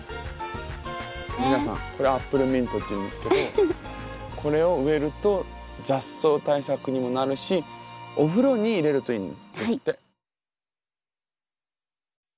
皆さんこれアップルミントっていうんですけどこれを植えると雑草対策にもなるしお風呂に入れるといいんですって。